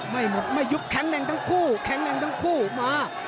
ไม่หมดไม่ยุบแข็งแรงทั้งคู่แข็งแรงทั้งคู่มา